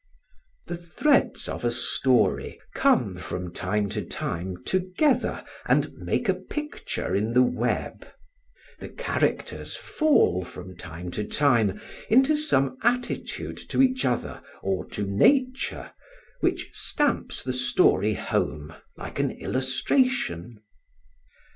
The threads of a story come from time to time together and make a picture in the web; the characters fall from time to time into some attitude to each other or to nature, which stamps the story home like an illustration.